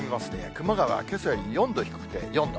熊谷はけさより４度低くて、４度。